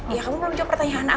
ya kamu mau jawab pertanyaan apa